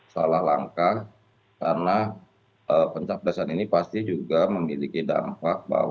salah langkah karena pencapresan ini pasti juga memiliki dampak